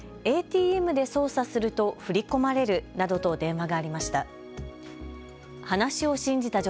ＡＴＭで操作すると振り込まれるなどと電話がありました。